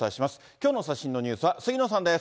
きょうの最新のニュースは杉野さんです。